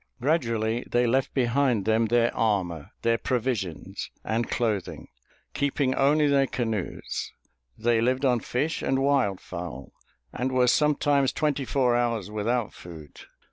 Gradually they left behind them their armor, their provisions, and clothing, keeping only their canoes; they lived on fish and wild fowl, and were sometimes twenty four hours without food.